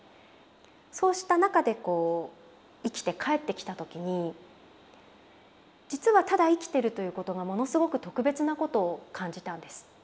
そうした中で生きて帰ってきた時に実はただ生きてるということがものすごく特別なことを感じたんです。